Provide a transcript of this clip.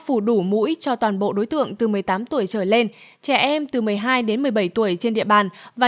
phủ đủ mũi cho toàn bộ đối tượng từ một mươi tám tuổi trở lên trẻ em từ một mươi hai đến một mươi bảy tuổi trên địa bàn và